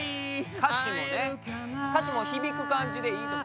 歌詞も響く感じでいいと。